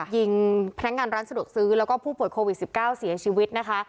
ยิงพนักงานร้านสะดวกซื้อแล้วก็ผู้ป่วยโควิด๑๙เสียชีวิตนะคะ